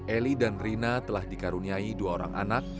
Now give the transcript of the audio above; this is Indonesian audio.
eli dan rina telah dikaruniai dua orang anak